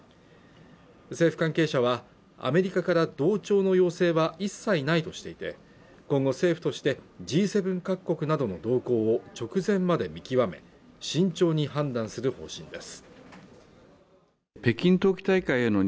政府関係者はアメリカから同調の要請は一切ないとしていて今後政府としてＧ７各国などの動向を直前まで見極め慎重に判断する方針です